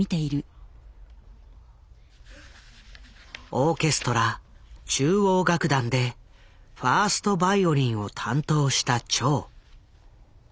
オーケストラ中央楽団でファーストバイオリンを担当した趙。